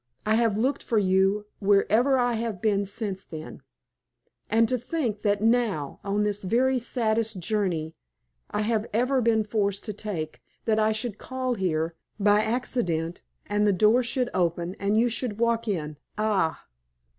I have looked for you wherever I have been since then, and to think that now on this very saddest journey I have ever been forced to take that I should call here, by accident, and the door should open, and you should walk in. Ah!"